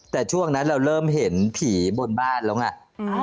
แต่ช่วงนั้นเราเริ่มเห็นผีบนบ้านแล้วไง